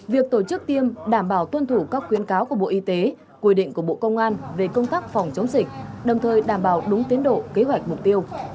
việc tổ chức tiêm đảm bảo tuân thủ các khuyến cáo của bộ y tế quy định của bộ công an về công tác phòng chống dịch đồng thời đảm bảo đúng tiến độ kế hoạch mục tiêu